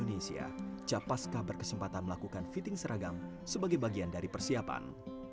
pusaka paskah berkesempatan melakukan fitting seragam sebagai bagian dari persiapan